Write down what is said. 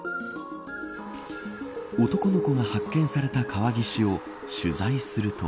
男の子が発見された川岸を取材すると。